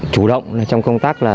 chủ động trong công tác